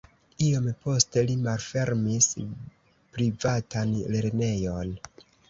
Iom poste li malfermis privatan lernejon.